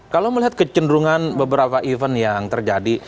kalau melihat kecenderungan beberapa event yang terjadi